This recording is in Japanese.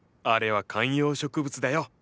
あれは観葉植物だよ。